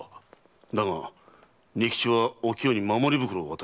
だが仁吉はお清に守り袋を渡している。